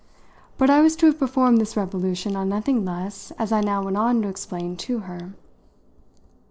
But I was to have performed this revolution on nothing less, as I now went on to explain to her.